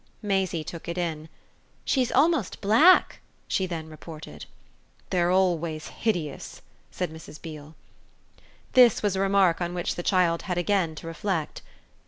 Maisie took it in. "She's almost black," she then reported. "They're always hideous," said Mrs. Beale. This was a remark on which the child had again to reflect.